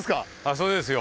そうですよ。